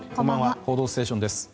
「報道ステーション」です。